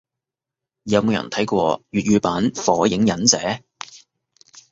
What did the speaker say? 有冇人睇過粵語版火影忍者？